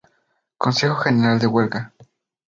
Consejo General de Huelga